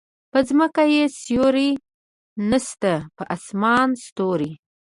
په ځمکه يې سیوری نشته په اسمان ستوری